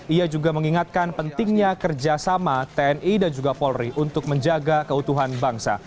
ia juga mengingatkan pentingnya kerjasama tni dan juga polri untuk menjaga keutuhan bangsa